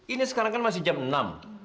ini sekarang kan masih jam enam